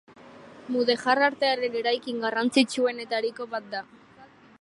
Mudejar artearen eraikin garrantzitsuenetariko bat da.